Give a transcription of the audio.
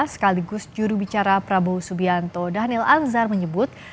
sekaligus jurubicara prabowo subianto daniel anzar menyebut